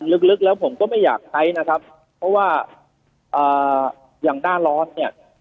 ลึกแล้วผมก็ไม่อยากใช้นะครับเพราะว่าอย่างหน้าร้อนเนี่ย